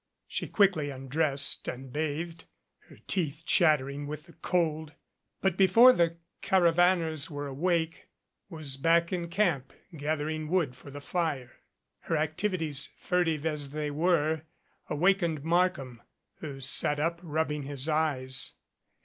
She quickly undressed and bathed, her teeth chattering with the cold, but before the caravaners were awake was back in camp, gathering wood for the fire. Her activities, furtive as they were, awakened Mark ham, who sat up, rubbing his eyes.